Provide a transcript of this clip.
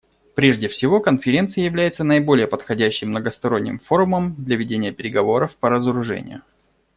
Прежде всего, Конференция является наиболее подходящим многосторонним форумом для ведения переговоров по разоружению.